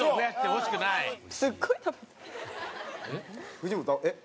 藤本えっ？